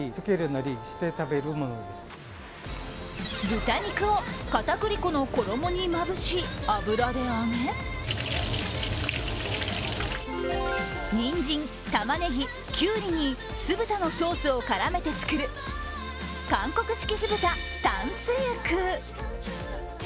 豚肉を片栗粉の衣にまぶし油で揚げ、にんじん、たまねぎ、きゅうりに酢豚のソースを絡めて作る韓国式酢豚、タンスユク。